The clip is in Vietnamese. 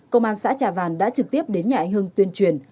công an xã trà vàn đã trực tiếp đến nhà anh hưng tuyên truyền